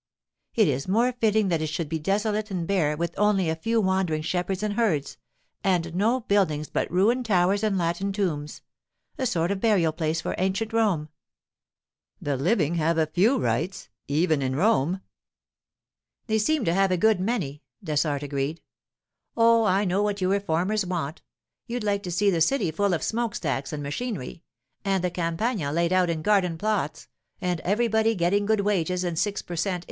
It is more fitting that it should be desolate and bare, with only a few wandering shepherds and herds, and no buildings but ruined towers and Latin tombs—a sort of burial place for Ancient Rome.' 'The living have a few rights—even in Rome.' 'They seem to have a good many,' Dessart agreed. 'Oh, I know what you reformers want! You'd like to see the city full of smoke stacks and machinery, and the Campagna laid out in garden plots, and everybody getting good wages and six per cent.